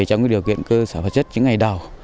trong điều kiện cơ sở vật chất những ngày đầu